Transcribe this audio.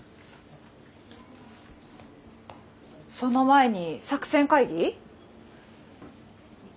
その前に作戦会議？